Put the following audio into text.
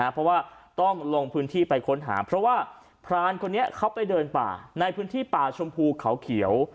เพราะว่าต้องลงพื้นที่ไปค้นหาเพราะว่าพรานคนนี้เขาไปเดินป่าในพื้นที่ป่าชมพูเขาเขียว